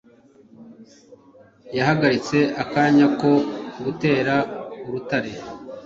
Yahagaritse akanya ko gutera urutare.